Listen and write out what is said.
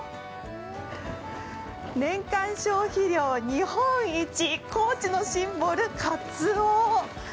年間消費量日本一、高知のシンボル、かつお。